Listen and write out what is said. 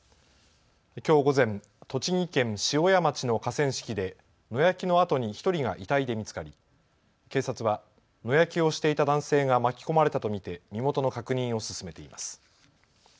きょう午前、栃木県塩谷町の河川敷で野焼きのあとに１人が遺体で見つかり、警察は野焼きをしていた男性が巻き込まれたと見て身元の確認を進めています。